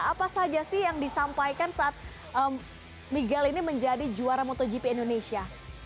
apa saja sih yang disampaikan saat miguel ini menjadi juara motogp indonesia